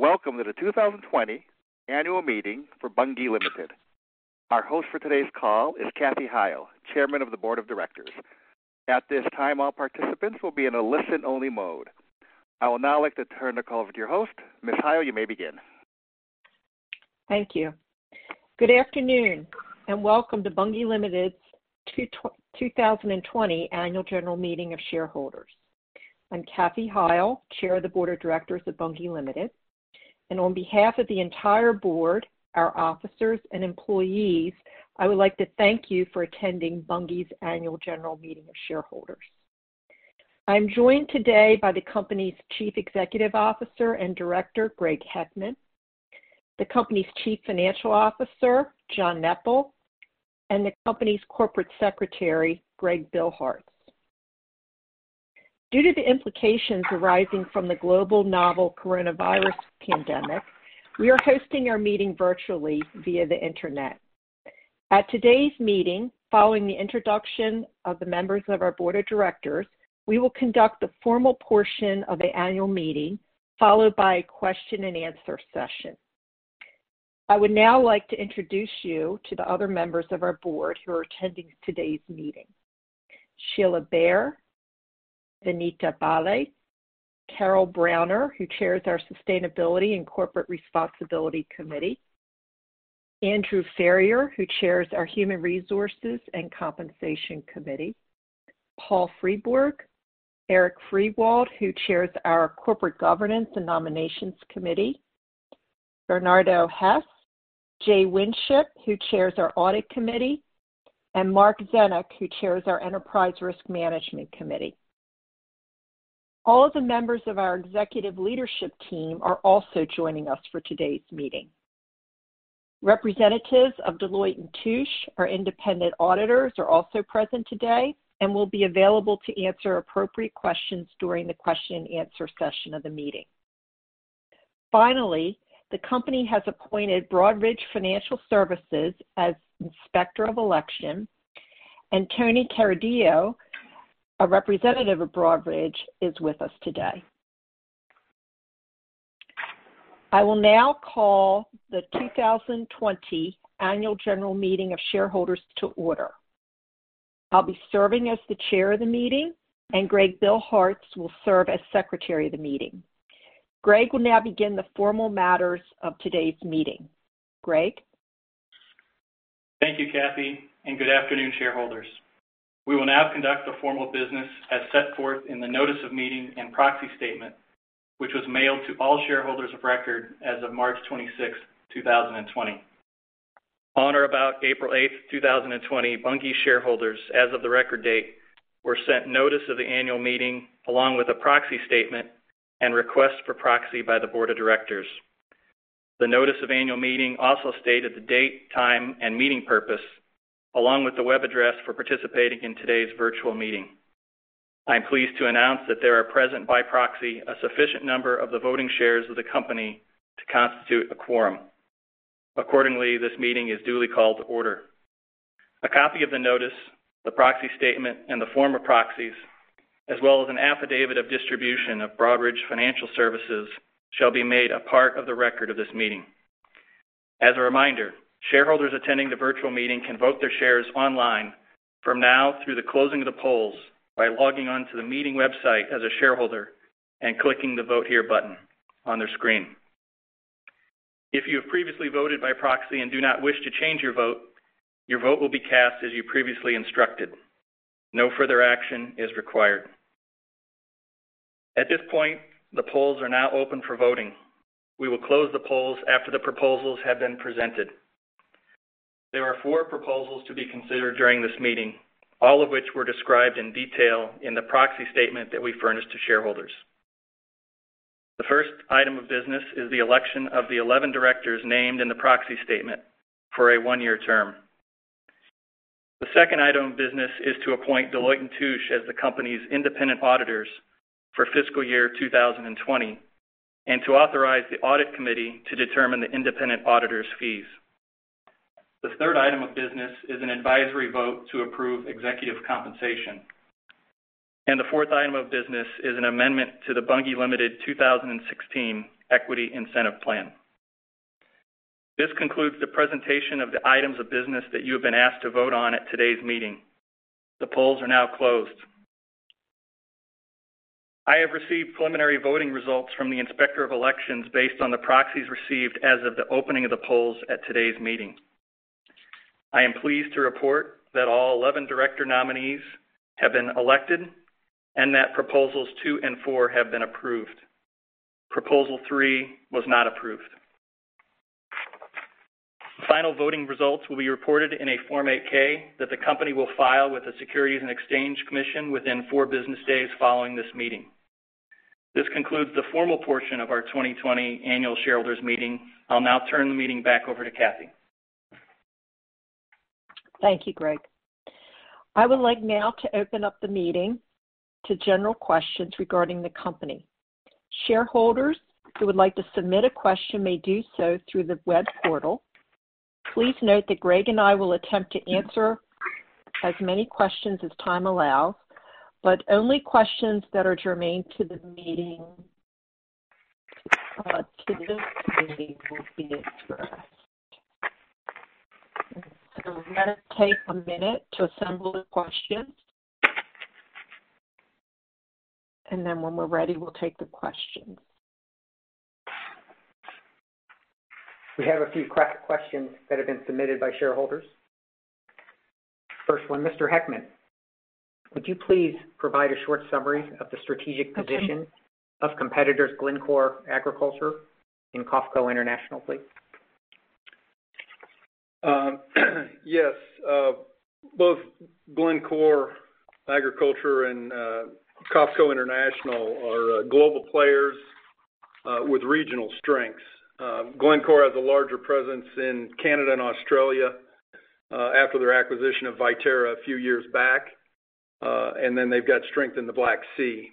Welcome to the 2020 annual meeting for Bunge Limited. Our host for today's call is Kathy Hyle, Chairperson of the Board of Directors. At this time, all participants will be in a listen-only mode. I will now like to turn the call over to your host. Ms. Hyle, you may begin. Thank you. Good afternoon, and welcome to Bunge Limited's 2020 Annual General Meeting of Shareholders. I'm Kathy Hyle, Chair of the Board of Directors of Bunge Limited, and on behalf of the entire Board, our officers, and employees, I would like to thank you for attending Bunge's Annual General Meeting of Shareholders. I'm joined today by the company's Chief Executive Officer and Director, Greg Heckman, the company's Chief Financial Officer, John Neppl, and the company's Corporate Secretary, Greg Billhartz. Due to the implications arising from the global novel coronavirus pandemic, we are hosting our meeting virtually via the internet. At today's meeting, following the introduction of the members of our Board of Directors, we will conduct the formal portion of the annual meeting, followed by a question and answer session. I would now like to introduce you to the other members of our Board who are attending today's meeting. Sheila Bair, Vinita Bali, Carol Browner, who chairs our Sustainability and Corporate Responsibility Committee, Andrew Ferrier, who chairs our Human Resources and Compensation Committee, Paul Fribourg, Erik Fyrwald, who chairs our Corporate Governance and Nominations Committee, Bernardo Hees, Jay Winship, who chairs our Audit Committee, and Mark Zenuk, who chairs our Enterprise Risk Management Committee. All of the members of our executive leadership team are also joining us for today's meeting. Representatives of Deloitte & Touche, our independent auditors, are also present today and will be available to answer appropriate questions during the question and answer session of the meeting. Finally, the company has appointed Broadridge Financial Solutions as inspector of election, and Tony Caradonna, a representative of Broadridge, is with us today. I will now call the 2020 Annual General Meeting of Shareholders to order. I'll be serving as the chair of the meeting, and Greg Billhartz will serve as secretary of the meeting. Greg will now begin the formal matters of today's meeting. Greg? Thank you, Kathy, and good afternoon, shareholders. We will now conduct the formal business as set forth in the Notice of Meeting and Proxy Statement, which was mailed to all shareholders of record as of March 26th, 2020. On or about April 8th, 2020, Bunge shareholders, as of the record date, were sent Notice of the Annual Meeting, along with a Proxy Statement and request for proxy by the Board of Directors. The Notice of Annual Meeting also stated the date, time, and meeting purpose, along with the web address for participating in today's virtual meeting. I am pleased to announce that there are present by proxy a sufficient number of the voting shares of the Company to constitute a quorum. Accordingly, this Meeting is duly called to order. A copy of the notice, the proxy statement, and the form of proxies, as well as an affidavit of distribution of Broadridge Financial Solutions, shall be made a part of the record of this meeting. As a reminder, shareholders attending the virtual meeting can vote their shares online from now through the closing of the polls by logging on to the meeting website as a shareholder and clicking the Vote Here button on their screen. If you have previously voted by proxy and do not wish to change your vote, your vote will be cast as you previously instructed. No further action is required. At this point, the polls are now open for voting. We will close the polls after the proposals have been presented. There are four proposals to be considered during this meeting, all of which were described in detail in the proxy statement that we furnished to shareholders. The first item of business is the election of the 11 directors named in the proxy statement for a one-year term. The second item of business is to appoint Deloitte & Touche as the company's independent auditors for fiscal year 2020 and to authorize the Audit Committee to determine the independent auditors' fees. The third item of business is an advisory vote to approve executive compensation. The fourth item of business is an amendment to the Bunge Limited 2016 Equity Incentive Plan. This concludes the presentation of the items of business that you have been asked to vote on at today's meeting. The polls are now closed. I have received preliminary voting results from the Inspector of Elections based on the proxies received as of the opening of the polls at today's meeting. I am pleased to report that all 11 director nominees have been elected, and that proposals two and four have been approved. Proposal three was not approved. Final voting results will be reported in a Form 8-K that the company will file with the Securities and Exchange Commission within four business days following this meeting. This concludes the formal portion of our 2020 Annual Shareholders Meeting. I'll now turn the meeting back over to Kathy. Thank you, Greg. I would like now to open up the meeting to general questions regarding the company. Shareholders who would like to submit a question may do so through the web portal. Please note that Greg and I will attempt to answer as many questions as time allows, but only questions that are germane to this meeting will be answered. Let us take a minute to assemble the questions. When we're ready, we'll take the questions. We have a few questions that have been submitted by shareholders. First one, Mr. Heckman, would you please provide a short summary of the strategic position of competitors Glencore Agriculture and COFCO International, please? Yes. Both Glencore Agriculture and COFCO International are global players with regional strengths. Glencore has a larger presence in Canada and Australia after their acquisition of Viterra a few years back. They've got strength in the Black Sea.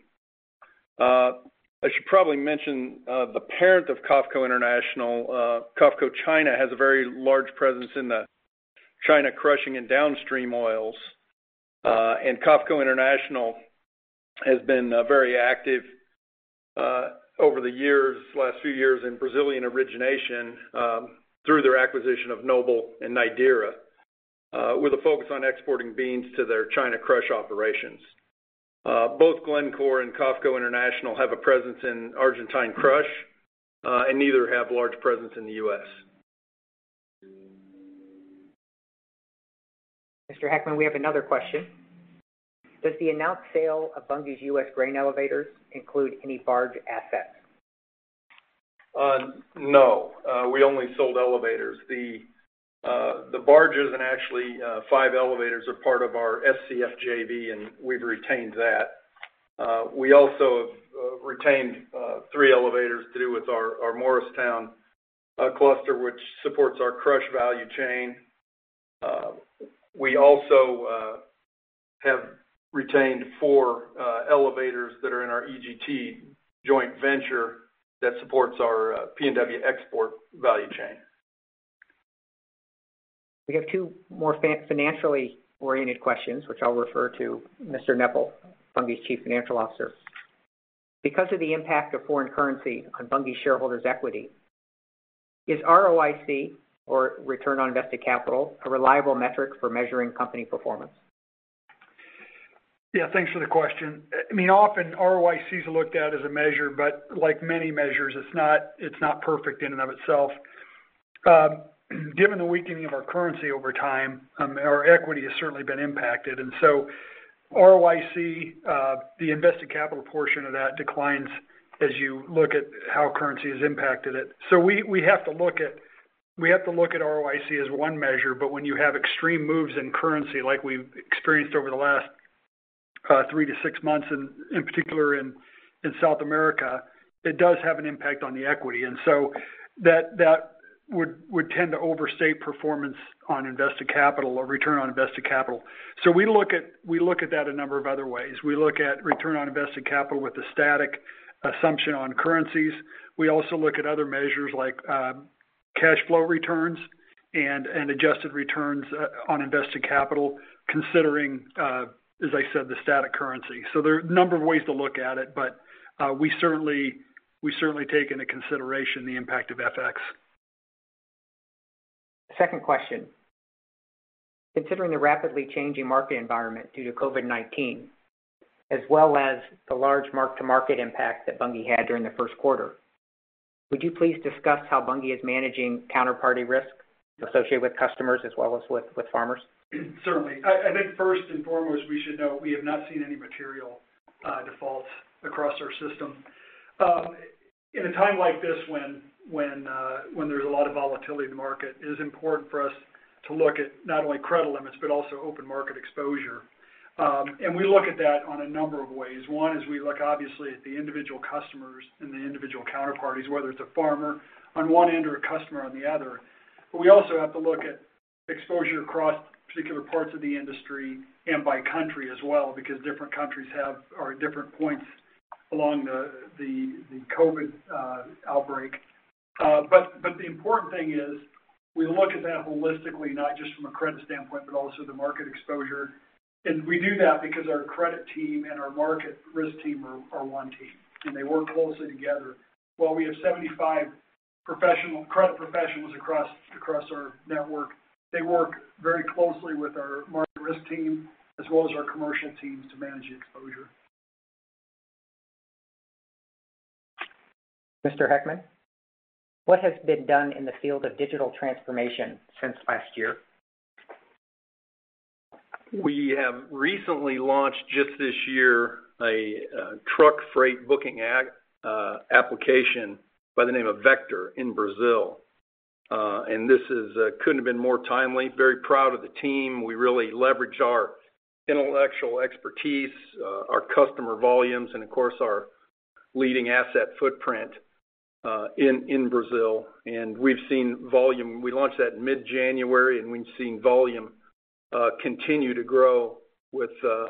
I should probably mention the parent of COFCO International, COFCO China, has a very large presence in the China crushing and downstream oils. COFCO International has been very active over the last few years in Brazilian origination through their acquisition of Noble and Nidera, with a focus on exporting beans to their China crush operations. Both Glencore and COFCO International have a presence in Argentine crush. Neither have large presence in the U.S. Mr. Heckman, we have another question. Does the announced sale of Bunge's U.S. grain elevators include any barge assets? No. We only sold elevators. The barges and actually five elevators are part of our SCF JV, and we've retained that. We also have retained three elevators to do with our Morristown cluster, which supports our crush value chain. We also have retained four elevators that are in our EGT joint venture that supports our PNW export value chain. We have two more financially oriented questions, which I'll refer to Mr. Neppl, Bunge's Chief Financial Officer. Because of the impact of foreign currency on Bunge shareholders' equity, is ROIC, or return on invested capital, a reliable metric for measuring company performance? Yeah, thanks for the question. Often ROIC is looked at as a measure, but like many measures, it's not perfect in and of itself. Given the weakening of our currency over time, our equity has certainly been impacted. ROIC, the invested capital portion of that declines as you look at how currency has impacted it. We have to look at ROIC as one measure, but when you have extreme moves in currency like we've experienced over the last three to six months, in particular in South America, it does have an impact on the equity. That would tend to overstate performance on invested capital or return on invested capital. We look at that a number of other ways. We look at return on invested capital with a static assumption on currencies. We also look at other measures like cash flow returns and adjusted returns on invested capital, considering, as I said, the static currency. There are a number of ways to look at it, but we certainly take into consideration the impact of FX. Second question. Considering the rapidly changing market environment due to COVID-19, as well as the large mark-to-market impact that Bunge had during the first quarter, would you please discuss how Bunge is managing counterparty risk associated with customers as well as with farmers? Certainly. I think first and foremost, we should note we have not seen any material defaults across our system. In a time like this when there's a lot of volatility in the market, it is important for us to look at not only credit limits but also open market exposure. We look at that on a number of ways. One is we look obviously at the individual customers and the individual counterparties, whether it's a farmer on one end or a customer on the other. We also have to look at exposure across particular parts of the industry and by country as well because different countries are at different points along the COVID outbreak. The important thing is we look at that holistically, not just from a credit standpoint, but also the market exposure. We do that because our credit team and our market risk team are one team, and they work closely together. While we have 75 credit professionals across our network, they work very closely with our market risk team as well as our commercial teams to manage the exposure. Mr. Heckman, what has been done in the field of digital transformation since last year? We have recently launched just this year a truck freight booking application by the name of Vector in Brazil. This couldn't have been more timely. Very proud of the team. We really leverage our intellectual expertise, our customer volumes, and of course, our leading asset footprint in Brazil. We launched that in mid-January.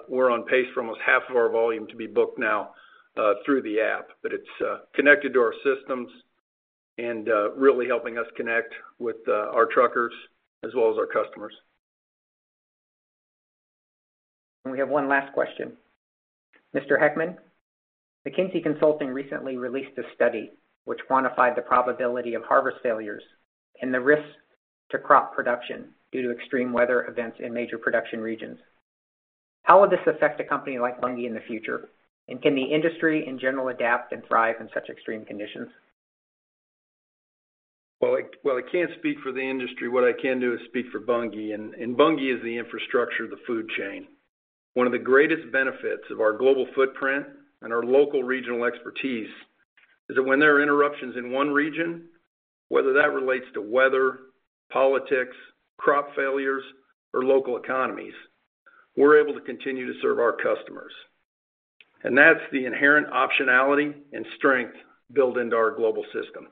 We're on pace for almost half of our volume to be booked now through the app. It's connected to our systems and really helping us connect with our truckers as well as our customers. We have one last question. Mr. Heckman, McKinsey & Company recently released a study which quantified the probability of harvest failures and the risk to crop production due to extreme weather events in major production regions. How will this affect a company like Bunge in the future? Can the industry in general adapt and thrive in such extreme conditions? While I can't speak for the industry, what I can do is speak for Bunge. Bunge is the infrastructure of the food chain. One of the greatest benefits of our global footprint and our local regional expertise is that when there are interruptions in one region, whether that relates to weather, politics, crop failures, or local economies, we're able to continue to serve our customers. That's the inherent optionality and strength built into our global system.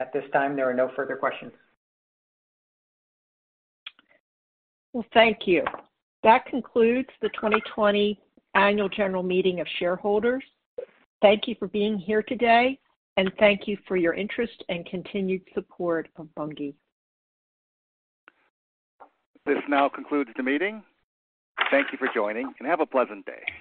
At this time, there are no further questions. Well, thank you. That concludes the 2020 Annual General Meeting of Shareholders. Thank you for being here today, and thank you for your interest and continued support of Bunge. This now concludes the meeting. Thank you for joining, and have a pleasant day.